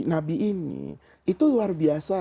nabi ini itu luar biasa